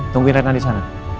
tungguin rena di sana